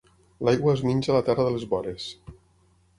L'aigua es menja la terra de les vores.